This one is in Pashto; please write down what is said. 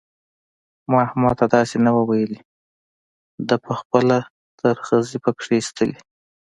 ما احمد ته داسې نه وو ويلي؛ ده په خپله ترخځي په کښېيستلې.